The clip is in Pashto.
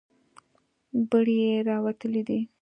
بړۍ یې راوتلې ده.